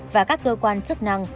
và các cơ quan chức năng